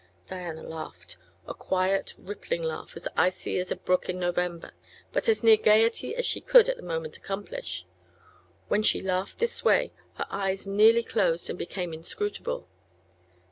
Diana laughed; a quiet, rippling laugh as icy as a brook in November, but as near gaiety as she could at the moment accomplish. When she laughed this way her eyes nearly closed and became inscrutable.